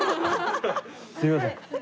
すいません。